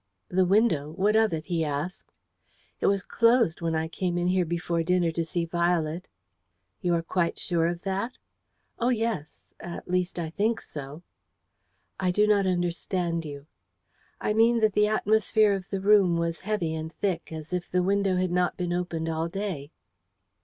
"The window what of it?" he asked. "It was closed when I came in here before dinner to see Violet." "You are quite sure of that?" "Oh, yes! At least, I think so." "I do not understand you." "I mean that the atmosphere of the room was heavy and thick, as if the window had not been opened all day."